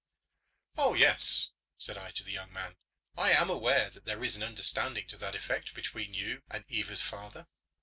"Oh yes," said I to the young man, "I am aware that there is an understanding to that effect between you and Eva's father."